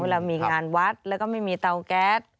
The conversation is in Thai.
เวลามีงานวัดแล้วก็ไม่มีเตาแก๊ส